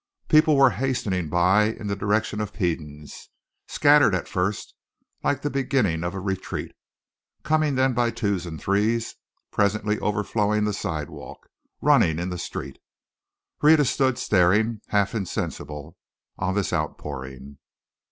People were hastening by in the direction of Peden's, scattered at first, like the beginning of a retreat, coming then by twos and threes, presently overflowing the sidewalk, running in the street. Rhetta stood staring, half insensible, on this outpouring.